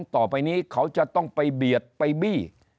ต่อไปนี้เขาจะต้องไปเบียดไปบี้